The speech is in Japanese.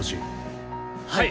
はい！